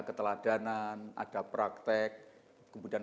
keteladanan ada praktek kemudian